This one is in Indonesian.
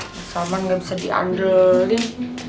mas salman gak bisa diandelin